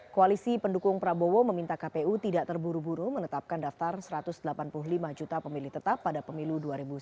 koalisi pendukung prabowo meminta kpu tidak terburu buru menetapkan daftar satu ratus delapan puluh lima juta pemilih tetap pada pemilu dua ribu sembilan belas